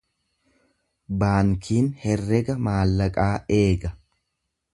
Baankiin herrega maallaqaa eega.